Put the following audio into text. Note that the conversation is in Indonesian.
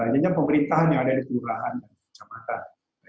jenis pemerintahan yang ada di perurahan dan kota makassar